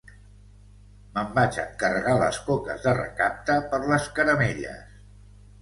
Me'n vaig a encarregar les coques de recapte per les caramelles